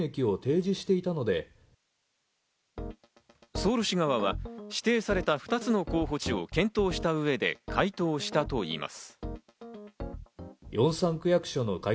ソウル市側は指定された２つの候補地を検討した上で回答したといいます。